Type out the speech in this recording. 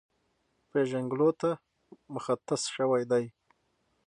پېژنګلو ته مختص شوی دی،